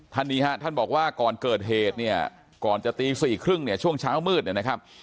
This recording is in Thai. ท่านนี้ฮะท่านบอกว่าก่อนเกิดเหตุเนี่ยก่อนจะตีสี่ครึ่งเนี่ยช่วงเช้ามืดเนี่ยนะครับ